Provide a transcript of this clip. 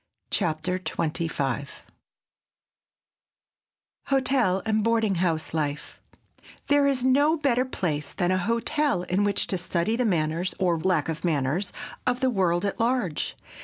CHAPTER XXV HOTEL AND BOARDING HOUSE LIFE THERE is no better place than a hotel in which to study the manners, or lack of manners, of the world at large.